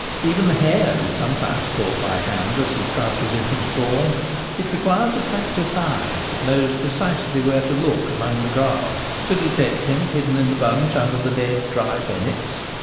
Even the hare is sometimes caught by hand as he crouches in his form. It requires a practised eye, that knows precisely where to look among the grass, to detect him hidden in the bunch under the dead, dry bennets.